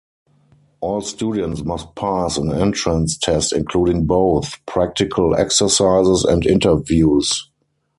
All students must pass an entrance test including both practical exercises and interviews.